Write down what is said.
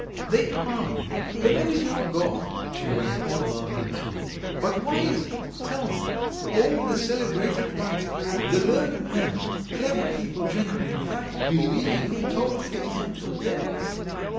"They argue that there is no God," she went on, laughing too, "but why is it, tell me, all the celebrated writers, the learned men, clever people generally, in fact, believe towards the end of their life?"